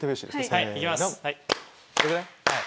はい行きます。